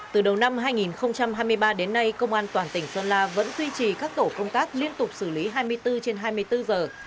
từ đầu năm hai nghìn hai mươi ba đến nay công an toàn tỉnh sơn la vẫn duy trì các tổ công tác liên tục xử lý hai mươi bốn trên hai mươi bốn giờ